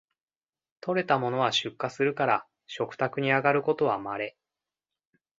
採れたものは出荷するから食卓にあがることはまれ